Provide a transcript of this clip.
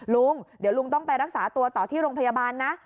ลุงเดี๋ยวลุงต้องไปรักษาตัวต่อที่โรงพยาบาลนะ